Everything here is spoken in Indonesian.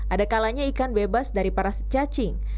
ada kalanya ikan bebas dari para cacing